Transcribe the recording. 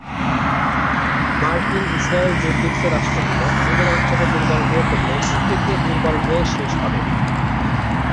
মার্কিন/ইসরায়েল দুর্বৃত্ত রাষ্ট্রগুলো আমাদের অঞ্চলে দুর্বল হয়ে পড়লে পিকেকে দুর্বল হয়ে শেষ হবে।